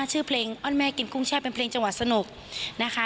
ชื่อเพลงอ้อนแม่กินกุ้งแช่เป็นเพลงจังหวัดสนุกนะคะ